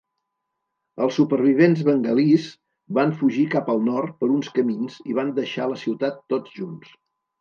Els supervivents bengalís van fugir cap al nord per uns camins i van deixar la ciutat tots junts.